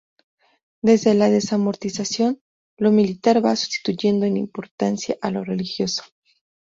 Desde la Desamortización, lo militar va sustituyendo en importancia a lo religioso.